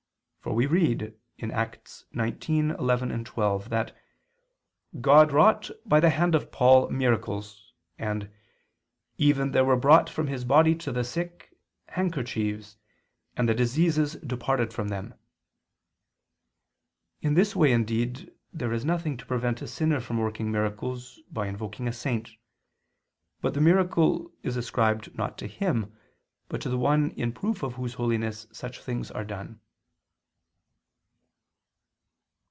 For we read (Acts 19:11, 12) that "God wrought by the hand of Paul ... miracles" and "even there were brought from his body to the sick, handkerchiefs ... and the diseases departed from them." In this way indeed there is nothing to prevent a sinner from working miracles by invoking a saint; but the miracle is ascribed not to him, but to the one in proof of whose holiness such things are done.